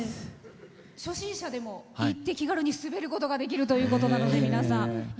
初心者でも行って滑ることができるということなので皆さん。